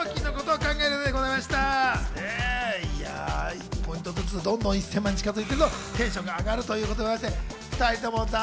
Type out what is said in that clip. １ポイントずつどんどん１０００万円に近づいていくとテンションが上がるということです。